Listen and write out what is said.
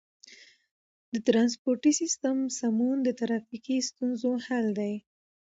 د ترانسپورتي سیستم سمون د ترافیکي ستونزو حل دی.